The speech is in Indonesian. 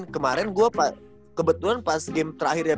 kemarin gue kebetulan pas game terakhirnya